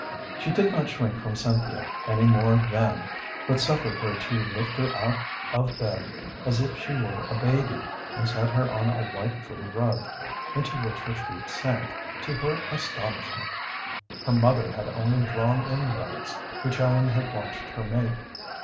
She did not shrink from Cynthia any more then, but suffered her to lift her out of bed as if she were a baby and set her on a white fur rug, into which her feet sank, to her astonishment. Her mother had only drawn in rugs, which Ellen had watched her make.